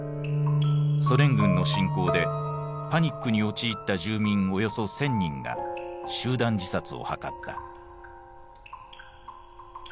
ソ連軍の侵攻でパニックに陥った住民およそ１，０００人が集団自殺を図った。